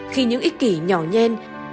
khi những ích kỷ nhỏ nhen